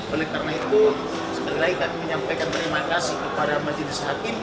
oleh karena itu sekali lagi kami menyampaikan terima kasih kepada majelis hakim